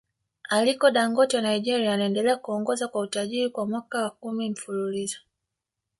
Aliko Dangote wa Nigeria anaendelea kuongoza kwa utajiri kwa mwaka wa Kumi mfululizo